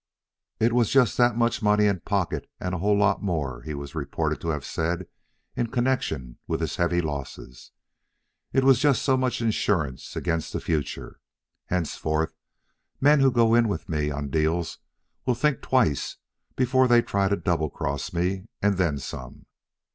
"It's just that much money in pocket and a whole lot more," he was reported to have said in connection with his heavy losses. "It's just so much insurance against the future. Henceforth, men who go in with me on deals will think twice before they try to double cross me, and then some."